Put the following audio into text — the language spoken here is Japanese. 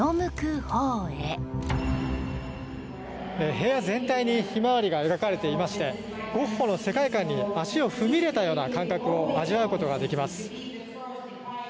部屋全体に「ひまわり」が描かれていましてゴッホの世界観に足を踏み入れたような感覚を味わうことができます。